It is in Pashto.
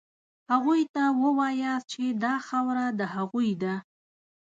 هغوی ته ووایاست چې دا خاوره د هغوی ده.